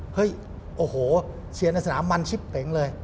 เฮ้ยโอ้โหเชียร์ในสนามมันชิปเป๋งเลย